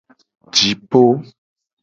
Jipo.